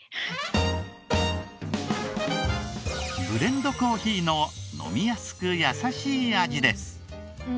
ブレンドコーヒーの飲みやすく優しい味です。